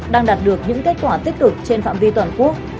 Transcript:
đang đạt được những kết quả tích cực trên phạm vi toàn quốc